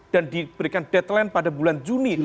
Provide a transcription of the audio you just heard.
dan diberikan deadline pada bulan juni